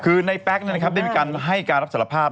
คือในแป๊กได้มีการให้การรับสารภาพ